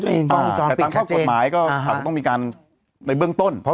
ยังไงยังไงยังไงยังไงยังไง